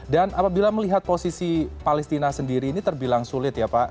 dan apabila melihat posisi palestina sendiri ini terbilang sulit ya pak